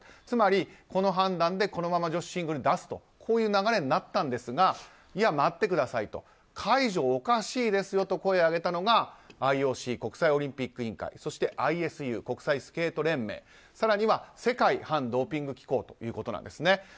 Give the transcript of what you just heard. つまり、この判断でこのまま女子シングルに出す流れになったんですがいや、待ってくださいと解除はおかしいですよと声を上げたのがＩＯＣ・国際オリンピック委員会そしてＩＳＵ・国際スケート連盟更には、世界反ドーピング機構ということなんですね。